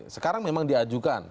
sekarang memang diajukan